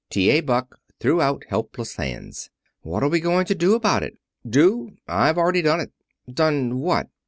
'" T.A. Buck threw out helpless hands. "What are we going to do about it?" "Do? I've already done it." "Done what?"